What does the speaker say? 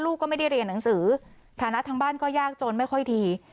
ก็ไม่ได้เรียนหนังสือฐานะทางบ้านก็ยากจนไม่ค่อยที